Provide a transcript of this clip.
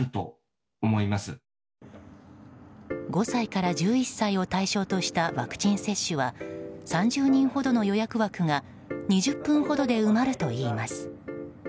５歳から１１歳を対象としたワクチン接種は３０人ほどの予約枠が２０分ほどで埋まるといいます。